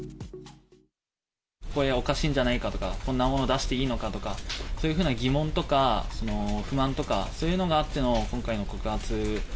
これはおかしいんじゃないかとか、こんなもの出していいのかとか、そういうふうな疑問とか不満とか、そういうのがあっての、今回の告発。